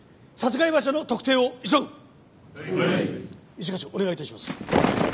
一課長お願い致します。